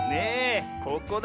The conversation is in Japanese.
ここだ。